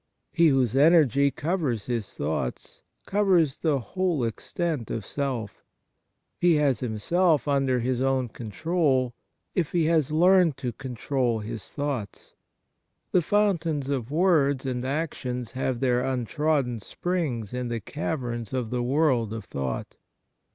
He whose energy covers his thoughts, covers the whole extent of self. He ha*s himself under his own control if he has learned to control his thoughts. The fountains of word and action have their untrodden springs in the caverns of the world of thought.